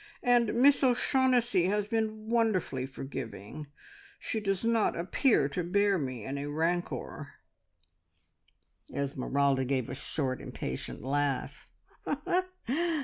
And Miss O'Shaughnessy has been wonderfully forgiving! She does not appear to bear me any rancour." Esmeralda gave a short, impatient laugh.